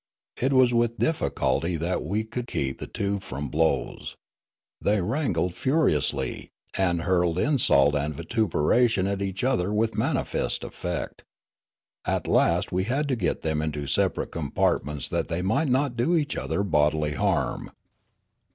It was with difficulty that we could keep the two from blows ; they wrangled furiously, and hurled insult and vitu peration at each other with manifest effect. At last we had to get them into separate compartments that they might not do each other bodily harm.